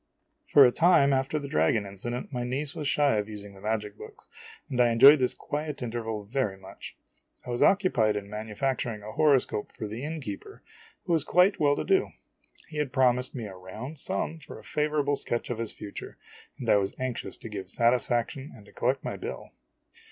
For a time after the dragon incident, my niece was shy of using the magic books, and I enjoyed this quiet interval very much. I was occupied in manufacturing a horoscope for the innkeeper, who was quite well to do. He had promised me a round sum for a favorable sketch ol his future, and I was anxious to give satisfac tion and to collect my bill.